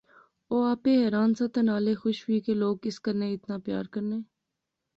او آپے حیران سا تہ نالے خوش وی کہ لوک اس کنے اتنا پیار کرنے